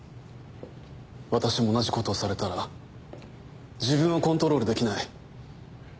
私も同じことをされたら自分をコントロールできない。